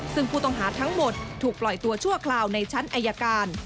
ซึ่งผู้ต้องหาทั้งหมดถูกปล่อยตัวชั่วคราวในชั้นอายการ